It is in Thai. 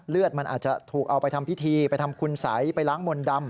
เลือดมันอาจจะถูกเอาไปทำพิธีไปทำคุณสัยไปล้างมนต์ดำ